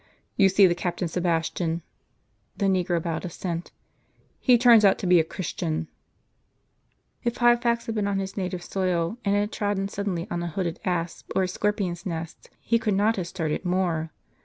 "You see the captain Sebastian?" The negro bowed assent. " He turns out to be a Christian !" If Hyphax had been on his native soil, and had trodden ■M^ w cnfel suddenly on a hooded asp or a scorpion's nest, he could not have started more.